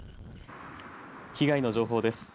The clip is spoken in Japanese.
被害の情報です。